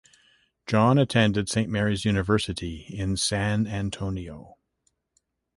John attended Saint Mary's University, in San Antonio.